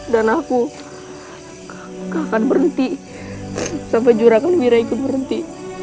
dan aku akan berhenti sampai curagan wira ikut berhenti